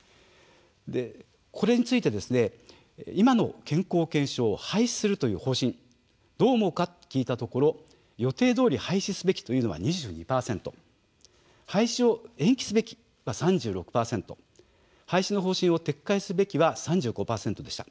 これについて今の健康保険証を廃止するという方針どう思うか聞いたところ予定どおり廃止すべきというのが２２％廃止を延期すべきが３６％廃止の方針を撤回すべきは３５％でした。